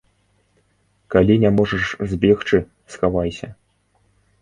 Калі не можаш збегчы, схавайся.